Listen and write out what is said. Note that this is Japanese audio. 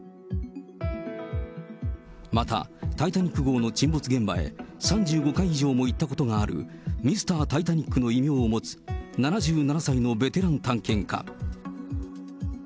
また、タイタニック号の沈没現場へ、３５回以上も行ったことがある、ミスター・タイタニックの異名を持つ７７歳のベテラン探検家。